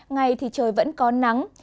ngày thì trời vẫn có nắng